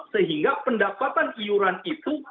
sehingga pendapatan iuran itu